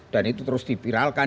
dan itu terus dipiralkan